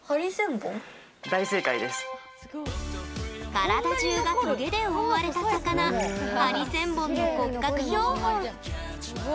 体じゅうが、とげで覆われた魚ハリセンボンの骨格標本。